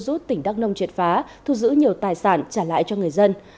nguyễn cư rút tỉnh đắk nông triệt phá thu giữ nhiều tài sản trả lại cho người dân